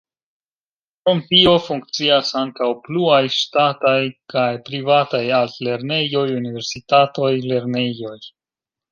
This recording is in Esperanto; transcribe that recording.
Krom tio funkcias ankaŭ pluaj ŝtataj kaj privataj altlernejoj, universitatoj, lernejoj.